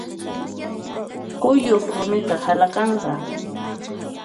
Kuyuq rumiqa halaqanqa.